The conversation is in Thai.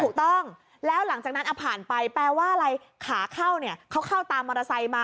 ถูกต้องแล้วหลังจากนั้นผ่านไปแปลว่าอะไรขาเข้าเนี่ยเขาเข้าตามมอเตอร์ไซค์มา